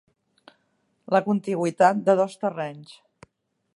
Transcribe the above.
La contigüitat de dos terrenys.